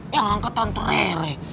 yang angkatan terereh